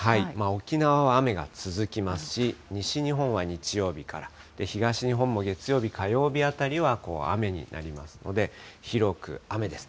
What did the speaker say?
沖縄は雨が続きますし、西日本は日曜日から、東日本も月曜日、火曜日あたりは雨になりますので、広く雨です。